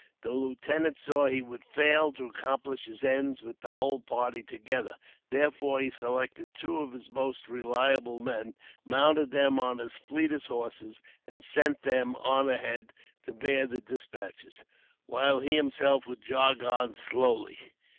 The lieutenant saw he would fail to accomplish his ends with the whole party together, therefore he selected two of his most reliable men, mounted them on his fleetest horses, and sent them on ahead to bear the dispatches, while he himself would jog on slowly.